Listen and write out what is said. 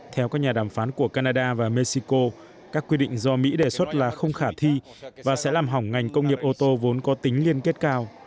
theo các nhà đàm phán của canada và mexico các quy định do mỹ đề xuất là không khả thi và sẽ làm hỏng ngành công nghiệp ô tô vốn có tính liên kết cao